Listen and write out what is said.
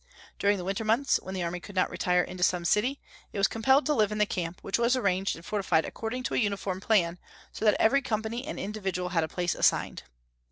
During the winter months, when the army could not retire into some city, it was compelled to live in the camp, which was arranged and fortified according to a uniform plan, so that every company and individual had a place assigned.